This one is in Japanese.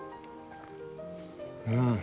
うん。